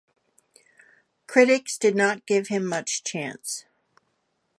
Critics did not give them much chance.